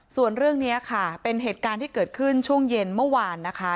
ส่วนเรื่องนี้ค่ะเป็นเหตุการณ์ที่เกิดขึ้นช่วงเย็นเมื่อวานนะคะ